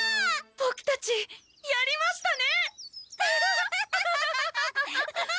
ボクたちやりましたね！